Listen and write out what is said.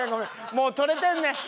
もう撮れてんねん。